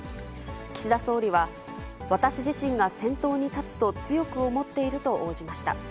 岸田総理は、私自身が先頭に立つと強く思っていると応じました。